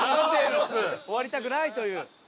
終わりたくないという。